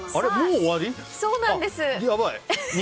そうなんです。